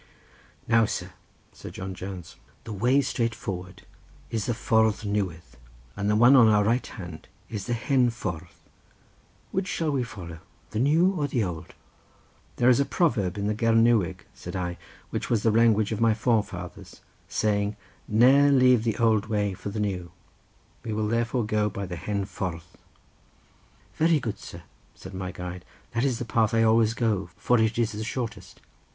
"Now, sir," said John Jones, "the way straight forward is the ffordd newydd and the one on our right hand, is the hen ffordd. Which shall we follow, the new or the old?" "There is a proverb in the Gerniweg," said I, "which was the language of my forefathers, saying, 'ne'er leave the old way for the new,' we will therefore go by the hen ffordd." "Very good, sir," said my guide, "that is the path I always go, for it is the shortest."